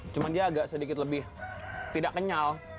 cuma dia agak sedikit lebih tidak kenyal